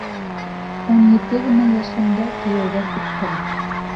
Ун ете генә йәшемдә кейәүгә сыҡтым.